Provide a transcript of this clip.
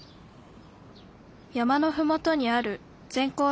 山のふもとにある全校